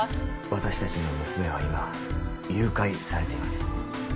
私たちの娘は今誘拐されています